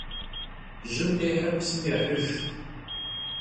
Jım khihır psım yêhıjj.